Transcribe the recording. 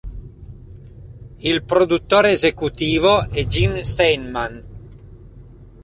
Il produttore esecutivo è Jim Steinman.